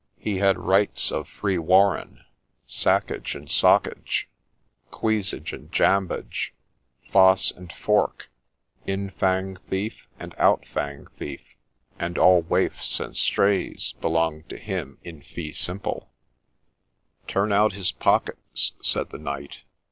He had rights of freewarren, saccage and sockage, cuisage and jambage, fosse and fork, infang theofe and outfang theofe ; and all waifs and strays belonged to him in fee simple. C3 42 GREY DOLPHIN ' Turn out his pockets !' said the knight.